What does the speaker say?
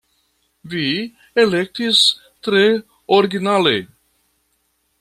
Vi elektis tre originale!